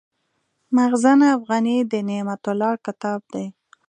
مخزن افغاني د نعمت الله کتاب دﺉ.